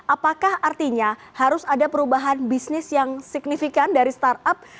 apakah artinya harus ada perubahan bisnis yang signifikan dari startup